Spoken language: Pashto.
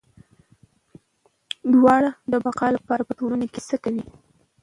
دواړه د بقا لپاره په ټولنو کې هڅه کوي.